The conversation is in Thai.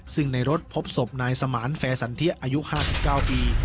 ซึ่งในรถพบศพนายสมานแฟร์สันเทียอายุ๕๙ปี